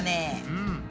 うん。